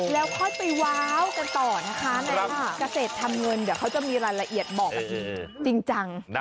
แล้วค่อยไปว้าวกันต่อนะคะในเกษตรทำเงินเดี๋ยวเขาจะมีรายละเอียดบอกแบบนี้จริงจัง